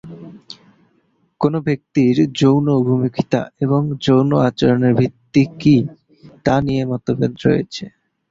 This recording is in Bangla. কোন ব্যক্তির যৌন অভিমুখিতা এবং যৌন আচরণের ভিত্তি কি তা নিয়ে মতভেদ রয়েছে।